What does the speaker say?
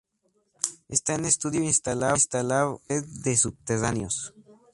Está en estudio instalar una red de subterráneos.